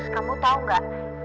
kamu tau gak